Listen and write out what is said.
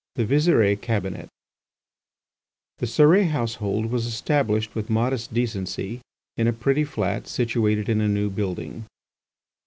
THE VISIRE CABINET The Cérès household was established with modest decency in a pretty flat situated in a new building.